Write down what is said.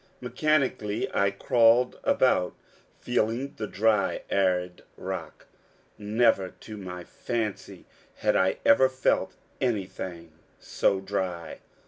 Mechanically I crawled about, feeling the dry and arid rock. Never to my fancy had I ever felt anything so dry.